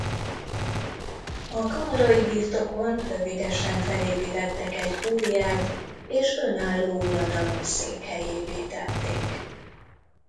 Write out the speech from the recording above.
A kamarai birtokon rövidesen felépítettek egy kúriát és önálló uradalom székhelyévé tették.